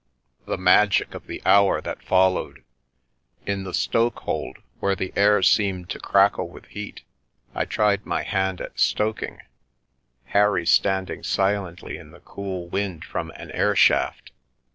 The magic of the hour that followed 1 In the stoke hold, where the air seemed to crackle with heat, I tried my hand at stoking, Harry standing silently in the cool wind from an air shaft.